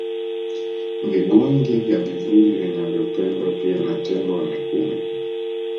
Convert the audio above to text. Vibungi vya vivuli vinavyopendwa pia na tembo wa Mikumi